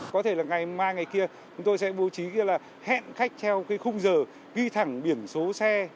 có thể là ngày mai ngày kia chúng tôi sẽ bố trí kia là hẹn khách theo cái khung giờ ghi thẳng biển số xe